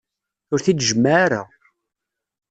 Ur t-id-jemmeε ara.